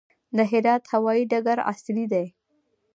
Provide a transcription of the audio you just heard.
د هرات هوايي ډګر عصري دی